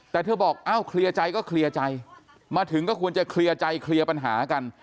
แต่เธอบอกเอ้าเคลียร์ใจก็เคลียร์ใจมาถึงก็ควรจะเคลียร์ใจเคลียร์ปัญหากัน